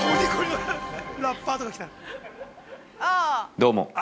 ◆どうも。